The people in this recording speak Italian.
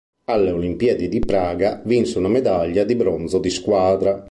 Alle olimpiadi di Praga vinse una medaglia di bronzo di squadra.